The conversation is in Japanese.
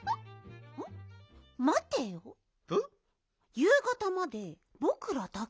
ゆうがたまでぼくらだけ？